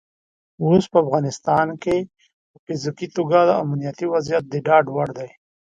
اوس په افغانستان کې په فزیکي توګه امنیتي وضعیت د ډاډ وړ دی.